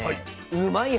うまいッ！